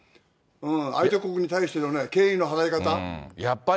相手国に対しての敬意の払い方。